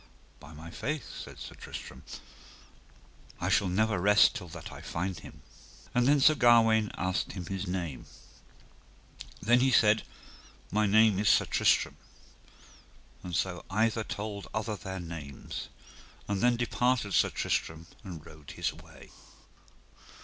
By my faith, said Sir Tristram, I shall never rest till that I find him. And then Sir Gawaine asked him his name. Then he said: My name is Sir Tristram. And so either told other their names, and then departed Sir Tristram and rode his way.